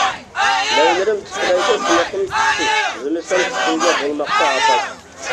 لەۋلىرىم تىترەيدۇ تىنىقىم كۈچسىز، زىمىستان ئۈستۈمگە بولماقتا ھاپاش.